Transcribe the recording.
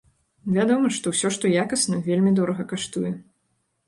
Вядома, што ўсё, што якасна, вельмі дорага каштуе.